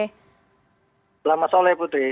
selamat sore putri